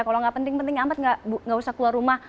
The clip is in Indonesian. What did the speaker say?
kalau nggak penting penting hambat nggak usah keluar rumah